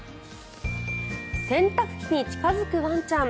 洗濯機に近付くワンちゃん。